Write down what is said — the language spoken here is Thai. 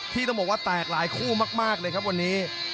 ที่ต้องบอกว่าแตกหลายคู่มากเลยครับวันนี้